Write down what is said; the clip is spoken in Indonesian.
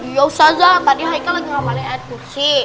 ya usah aja tadi haikal lagi ngamalin air kursi